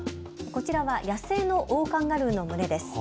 こちらは野生のオオカンガルーの群れです。